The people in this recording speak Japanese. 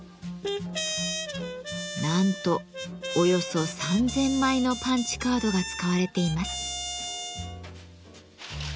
なんとおよそ３，０００枚のパンチカードが使われています。